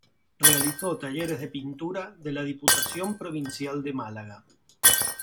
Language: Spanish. Realizó talleres de pintura de la Diputación provincial de Málaga.